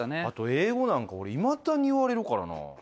あと英語なんか俺いまだに言われるからな。